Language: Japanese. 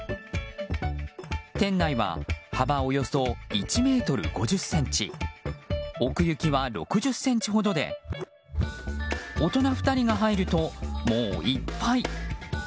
店内は、幅およそ１ｍ５０ｃｍ奥行きは６０ｃｍほどで大人２人が入ると、もういっぱい。